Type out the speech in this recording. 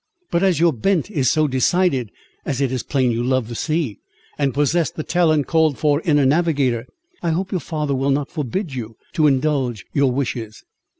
"But as your bent is so decided, as it is plain you love the sea, and possess the talent called for in a navigator, I hope your father will not forbid you to indulge your wishes."